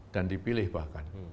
dan dipilih bahkan